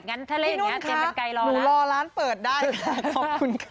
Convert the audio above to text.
งั้นถ้าเล่นอย่างเงี้ยเต็มกันไกรรอนะหนูรอร้านเปิดได้ค่ะขอบคุณค่ะ